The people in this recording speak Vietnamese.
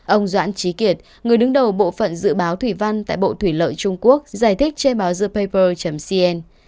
ông doãn trí kiệt người đứng đầu bộ phận dự báo thủy văn tại bộ thủy lợi trung quốc giải thích trên báo the payper cn